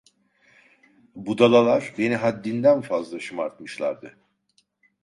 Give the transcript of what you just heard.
"Budala"lar beni haddinden fazla şımartmışlardı.